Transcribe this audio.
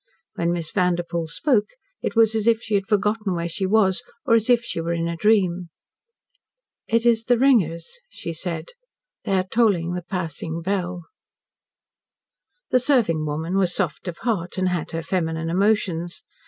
When Miss Vanderpoel spoke, it was as if she had forgotten where she was, or as if she were in a dream. "It is the ringers," she said. "They are tolling the passing bell." The serving woman was soft of heart, and had her feminine emotions.